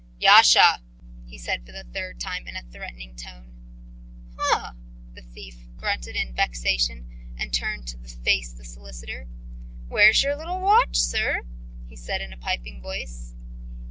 "Yasha!" he said for the third time, in a threatening tone. "Huh!" The young thief grunted in vexation and turned to face the solicitor. "Where's your little watch, sir?" he said in a piping voice.